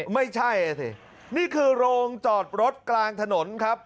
ไม่ใช่อ่ะสินี่คือโรงจอดรถกลางถนนครับ